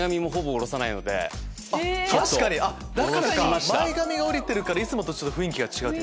前髪が下りてるからいつもと雰囲気が違う。